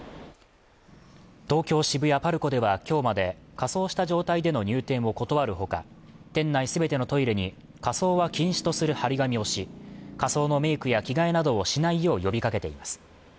東京渋谷パルコでは今日まで仮装した状態での入店を断るほか店内すべてのトイレに仮装は禁止とする貼り紙をし仮装のメイクや着替えなどしないよう呼びかけています